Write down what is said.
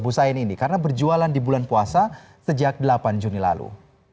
bu sain ini karena berjualan di bulan puasa sejak delapan juni lalu